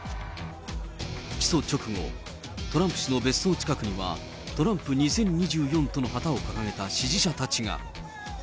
起訴直後、トランプ氏の別荘近くには、トランプ２０２４との旗を掲げた支持者たちが。